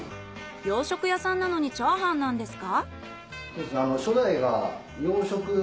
洋食屋さんなのにチャーハンなんですか？